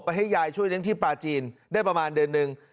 ให้ยายช่วยเลี้ยงที่ปลาจีนได้ประมาณเดือนหนึ่ง